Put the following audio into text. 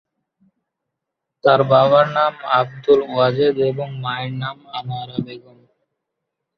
তার বাবার নাম আবদুল ওয়াজেদ এবং মায়ের নাম আনোয়ারা বেগম।